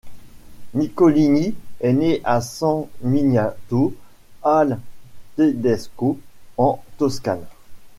Niccolini est né à San Miniato al Tedesco, en Toscane.